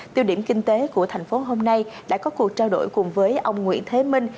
tiêu điểm kinh tế của thành phố hôm nay đã có cuộc trao đổi cùng với ông nguyễn thế minh